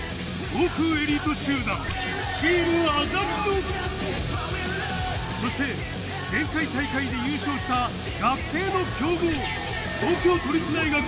航空エリート集団そして前回大会で優勝した学生の強豪